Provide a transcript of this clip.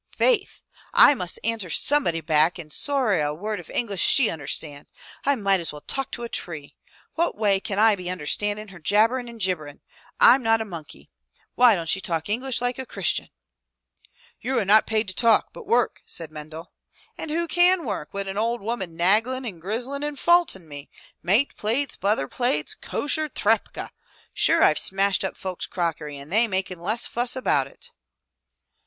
"Faith! I must answer somebody back and sorra a word of English she understands. I might as well talk to a tree! What way can I be understandin' her jabberin' and jibberin'? I'm not a monkey. Why don't she talk English like a Christian?" "You are not paid to talk but work!" said Mendel. "And who can work wid an ould woman nagglin' and grizzlin' 182 FROM THE TOWER WINDOW and faultin' me? Mate plates, butther plates, kosher, trepha! Sure, Fve smashed up folks' crockery and they makin' less fuss about it!''